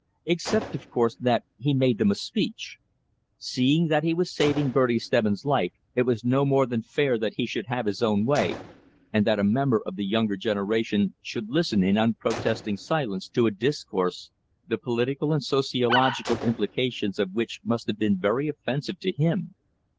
Except, of course, that he made them a speech. Seeing that he was saving Bertie Stebbins' life, it was no more than fair that he should have his own way, and that a member of the younger generation should listen in unprotesting silence to a discourse, the political and sociological implications of which must have been very offensive to him.